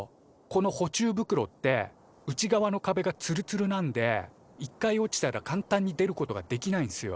この捕虫袋って内側のかべがツルツルなんで一回落ちたら簡単に出ることができないんすよ。